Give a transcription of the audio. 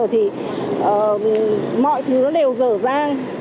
thì mọi thứ nó đều dở dang